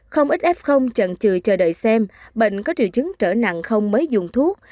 không ít f trần trừ chờ đợi xem bệnh có triệu chứng trở nặng không mới dùng thuốc